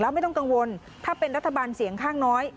ไม่ต้องกังวลถ้าเป็นรัฐบาลเสียงข้างน้อย